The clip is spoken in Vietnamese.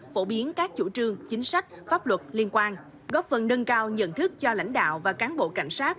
phổ biến các chủ trương chính sách pháp luật liên quan góp phần nâng cao nhận thức cho lãnh đạo và cán bộ cảnh sát